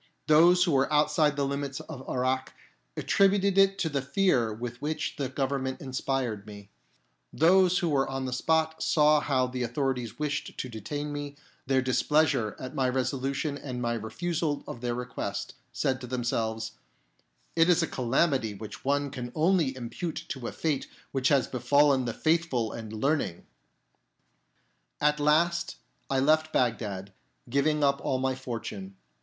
Those who were outside the limits of Irak attributed it to the fear with which the Government inspired me. Those who were on the spot and saw how the authorities wished to detain me, their displeasure at my resolution and my refusal of their request, said to themselves, "It is a calamity which one can only impute to a fate which has befallen the Faithful and Learning !" 46 LEAVES BAGDAD At last I left Bagdad, giving up all my fortune.